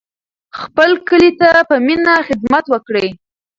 خپل کلي ته په مینه خدمت وکړئ.